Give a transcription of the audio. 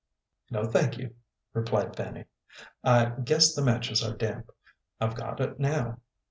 "No, thank you," replied Fanny; "I guess the matches are damp. I've got it now."